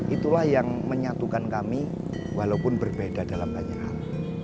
itulah yang menyatukan kami walaupun berbeda dalam banyak hal